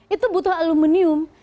itu butuh aluminium